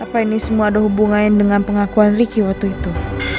apa ini semua ada hubungannya dengan pengakuan ricky waktu itu